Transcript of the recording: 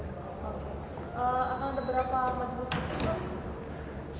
eee akan berapa majelis